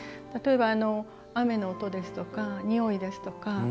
例えば雨の音ですとかにおいですとか